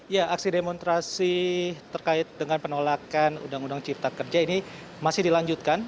ya aksi demonstrasi terkait dengan penolakan undang undang cipta kerja ini masih dilanjutkan